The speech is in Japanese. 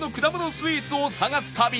スイーツを探す旅